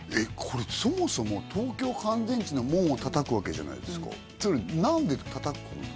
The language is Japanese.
これそもそも東京乾電池の門を叩くわけじゃないですかそれ何で叩くの？